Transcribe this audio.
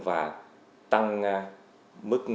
và tăng mức tiền lương